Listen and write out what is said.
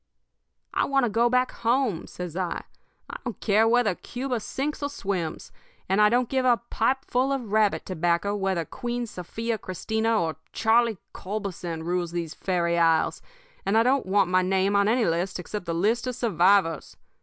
I want to go back home,' says I. 'I don't care whether Cuba sinks or swims, and I don't give a pipeful of rabbit tobacco whether Queen Sophia Christina or Charlie Culberson rules these fairy isles; and I don't want my name on any list except the list of survivors.